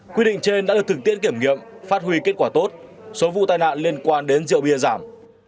quy định trên đã được thực tiễn kiểm nghiệm phát huy kết quả tốt số vụ tai nạn liên quan đến rượu bia giảm